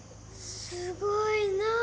すごいなあ。